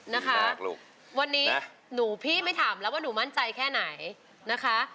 นะคะวันนี้หนูพี่ไม่ถามแล้วว่าหนูมั่นใจแค่ไหนนะคะ